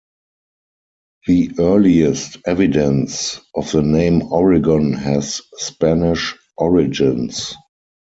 The earliest evidence of the name Oregon has Spanish origins.